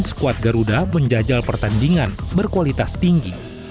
skuad garuda menjajal pertandingan berkualitas tinggi